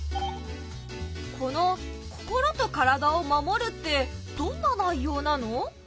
この「心と体をまもる」ってどんな内容なの？